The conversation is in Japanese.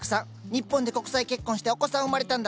日本で国際結婚してお子さん産まれたんだって！